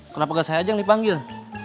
kenapa gak saya aja yang dipanggil